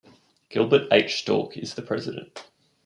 Gilbert H. Stork is the president.